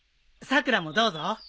さくらもどうぞ。